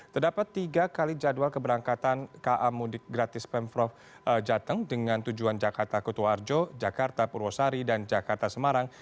terdapat tiga kali jadwal keberangkatan ka mudik gratis pemprov jateng dengan tujuan jakarta kutu arjo jakarta purwosari dan jakarta semarang